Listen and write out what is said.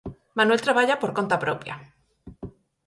Manuel traballa por conta propia.